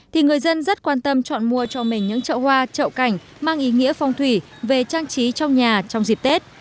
thì người dân rất quan tâm chọn mua cho mình những trậu hoa trậu cảnh mang ý nghĩa phong thủy về trang trí trong nhà trong dịp tết